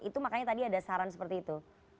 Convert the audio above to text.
itu makanya tadi ada saran seperti itu